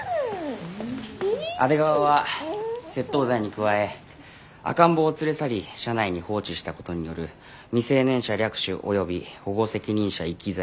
阿出川は窃盗罪に加え赤ん坊を連れ去り車内に放置したことによる未成年者略取および保護責任者遺棄罪に問われることになりそうです。